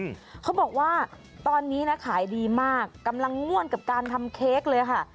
เขาบอกว่าตอนนี้นะขายดีมากกำลังง่วนกับการทำเค้กเลยค่ะ